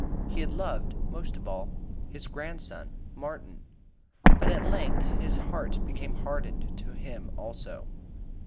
He had loved most of all his grandson, Martin, but at length his heart became hardened to him also.